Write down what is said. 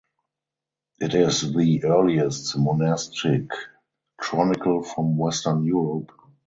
It is the earliest monastic chronicle from western Europe.